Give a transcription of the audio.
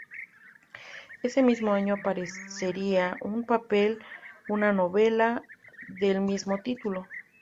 Ese mismo año aparecería en papel una novela del mismo título.